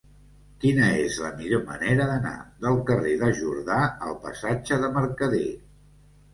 Quina és la millor manera d'anar del carrer de Jordà al passatge de Mercader?